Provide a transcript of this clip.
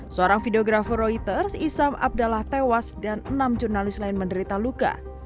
seorang videographer reuters isam abdallah tewas dan enam jurnalis lain menderita luka